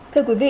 thưa quý vị